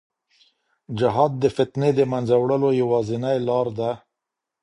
جهاد د فتنې د منځه وړلو یوازینۍ لار ده.